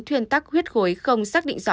thuyên tắc huyết khối không xác định rõ